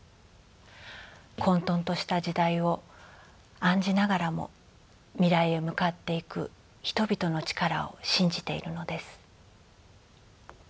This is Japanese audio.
混とんとした時代を案じながらも未来へ向かっていく人々の力を信じているのです。